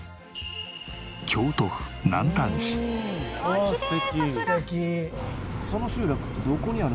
ああ素敵。